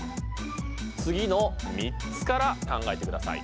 次の３つから考えてください。